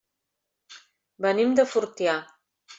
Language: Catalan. Venim de Fortià.